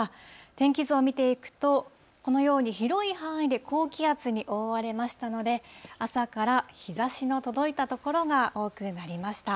天気図を見ていくと、このように広い範囲で高気圧に覆われましたので、朝から日ざしの届いた所が多くなりました。